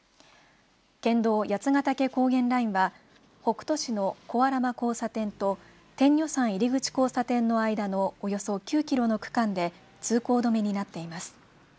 県道、八ヶ岳高原ラインは北杜市の小荒間交差点と天女山入口交差点の間のおよそ９キロの区間で通行止めになっています。